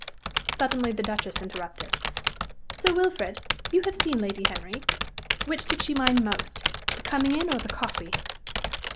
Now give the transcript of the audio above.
Suddenly the Duchess interrupted. "Sir Wilfrid, you have seen Lady Henry; which did she mind most the coming in or the coffee?"